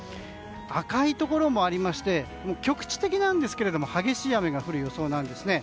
赤いところもありまして局地的なんですけど激しい雨が降る予想なんですね。